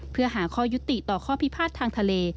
เพื่อหาข้อยุติต่อข้อพิพาททางทะเล